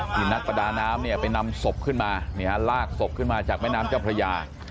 นักประดาน้ำเนี่ยไปนำศพขึ้นมาลากศพขึ้นมาจากแม่น้ำเจ้าพระยา